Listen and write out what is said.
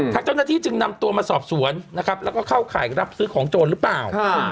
ทางเจ้าหน้าที่จึงนำตัวมาสอบสวนนะครับแล้วก็เข้าข่ายรับซื้อของโจรหรือเปล่า